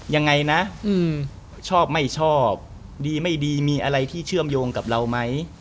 ยังไงนะชอบไม่ชอบดีไม่ดีมีอะไรที่เชื่อมโยงกับเราไหม